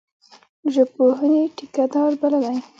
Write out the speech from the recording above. ژبپوهني ټیکه دار بللی.